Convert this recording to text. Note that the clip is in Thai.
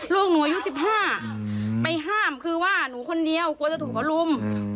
ลูกหนูอายุ๑๕ไปห้ามคือว่าหนูคนเดียวกลัวจะถูกเขารุม